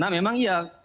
nah memang iya